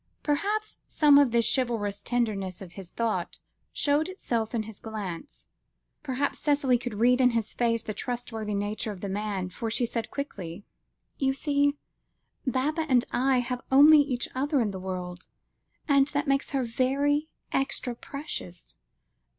Perhaps some of the chivalrous tenderness of his thought showed itself in his glance; perhaps Cicely could read in his face the trustworthy nature of the man, for she said quickly: "You see, Baba and I have only each other in the world, and that makes her very extra precious.